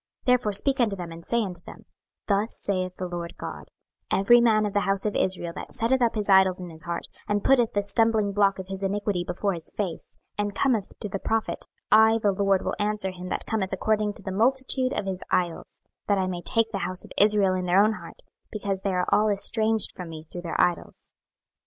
26:014:004 Therefore speak unto them, and say unto them, Thus saith the Lord GOD; Every man of the house of Israel that setteth up his idols in his heart, and putteth the stumblingblock of his iniquity before his face, and cometh to the prophet; I the LORD will answer him that cometh according to the multitude of his idols; 26:014:005 That I may take the house of Israel in their own heart, because they are all estranged from me through their idols.